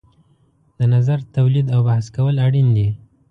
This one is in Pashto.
د نظر تولید او بحث کول اړین دي.